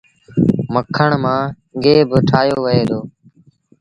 مکڻ مآݩ گيه با ٺآهيو وهي دو۔